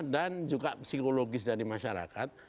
dan juga psikologis dari masyarakat